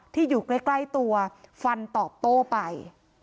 อยู่ใกล้ตัวฟันตอบโต้ไป